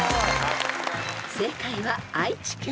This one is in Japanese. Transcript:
［正解は愛知県。